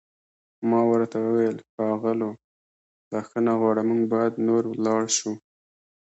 ما ورته وویل: ښاغلو، بښنه غواړم موږ باید نور ولاړ شو.